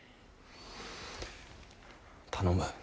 頼む。